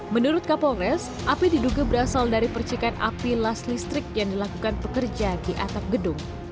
menurut kapolres api diduga berasal dari percikan api las listrik yang dilakukan pekerja di atap gedung